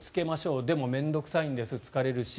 でも面倒臭いんです疲れるし。